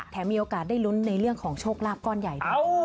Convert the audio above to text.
มีโอกาสได้ลุ้นในเรื่องของโชคลาภก้อนใหญ่ด้วย